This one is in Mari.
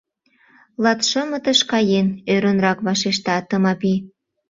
— Латшымытыш каен, — ӧрынрак вашешта Тымапи.